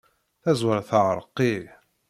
Tazwara teɛreq-iyi.